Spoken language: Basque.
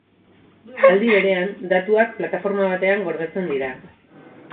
Aldi berean, datuak plataforma batean gordetzen dira.